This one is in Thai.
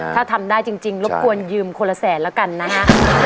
ถ้าทำได้จริงรบกวนยืมคนละแสนแล้วกันนะฮะ